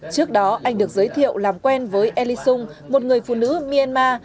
trước đó anh được giới thiệu làm quen với ellie sung một người phụ nữ myanmar